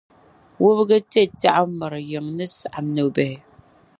Wubiga te tɛɣu m-mir’ yiŋa ni saɣim nɔbihi.